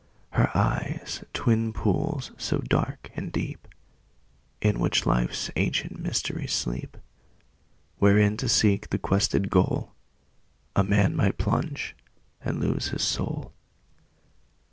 Her eyes, twin pools so dark and deep, In which life's ancient mysteries sleep; Wherein, to seek the quested goal, A man might plunge, and lose his soul.